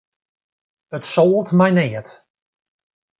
It soalt my neat.